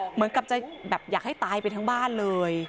เหมือนกับจะแบบอยากให้ตายไปทั้งบ้านเลย